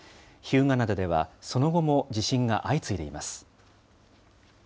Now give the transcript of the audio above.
日向灘ではその後も地震が相次いでいます。